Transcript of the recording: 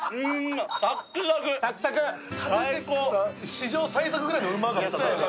史上最速ぐらいの「うま」が出た。